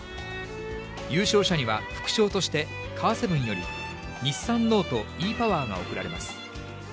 優勝者には、副賞として、カーセブンより、日産ノートｅパワーが贈られます。